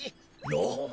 おっ。